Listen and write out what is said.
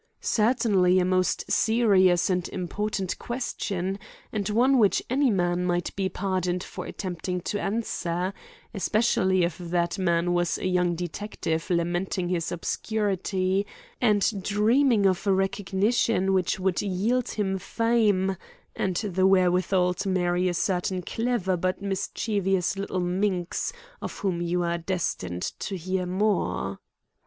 Certainly, a most serious and important question, and one which any man might be pardoned for attempting to answer, especially if that man was a young detective lamenting his obscurity and dreaming of a recognition which would yield him fame and the wherewithal to marry a certain clever but mischievous little minx of whom you are destined to hear more.